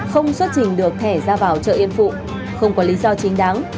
không xuất trình được thẻ ra vào chợ yên phụ không có lý do chính đáng